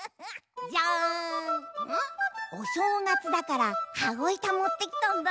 じゃん！おしょうがつだからはごいたもってきたんだ。